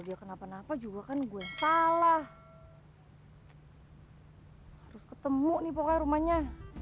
dia kenapa napa juga kan gue salah harus ketemu nih pokoknya rumahnya